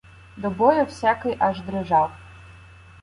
До бою всякий аж дрижав.